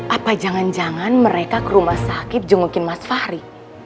apa jangan jangan mereka ke rumah sakit jungukin mas fahri